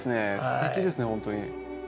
すてきですねほんとに。